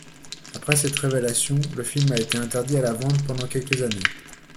Après cette révélation, le film a été interdit à la vente pendant quelques années.